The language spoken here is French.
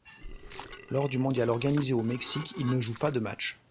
Lors du mondial organisé au Mexique, il ne joue pas de matchs.